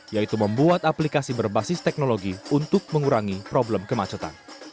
yaitu membuat aplikasi berbasis teknologi untuk mengurangi problem kemacetan